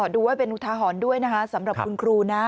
ดูไว้เป็นอุทาหรณ์ด้วยนะคะสำหรับคุณครูนะ